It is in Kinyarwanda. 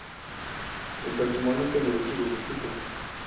Reka tumanuke mu bucuruzi, si byo?